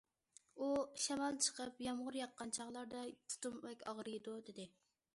ئۇ:‹‹ شامال چىقىپ، يامغۇر ياغقان چاغلاردا، پۇتۇم بەك ئاغرىيدۇ››، دېدى.